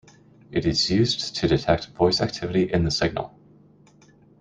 It is used to detect voice activity in the signal.